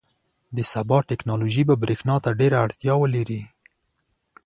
• د سبا ټیکنالوژي به برېښنا ته ډېره اړتیا ولري.